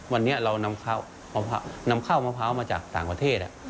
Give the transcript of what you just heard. วันนี้เรานำข้าวมะพร้าวมาจากต่างประเทศ